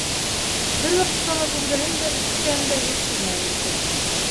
— Бер ваҡытта ла күргәнем дә, ишеткәнем дә юҡ, — тине Әлисә.